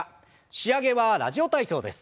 仕上げは「ラジオ体操」です。